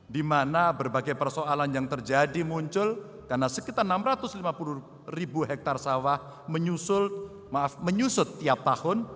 di mana berbagai persoalan yang terjadi muncul karena sekitar enam ratus lima puluh ribu hektare sawah menyusut tiap tahun